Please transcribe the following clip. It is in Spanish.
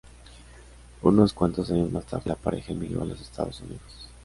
Unos cuantos años más tarde la pareja emigró a los Estados Unidos.